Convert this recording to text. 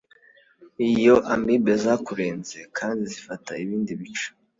Iyo Amibe zakurenze kandi zifata ibindi bice